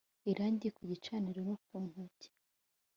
Irangi ku gicaniro no ku ntoki